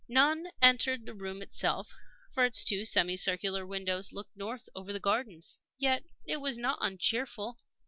None entered the room itself, for its two semi circular windows looked north over the gardens. Yet it was not uncheerful.